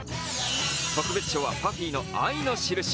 特別賞はＰＵＦＦＹの「愛のしるし」。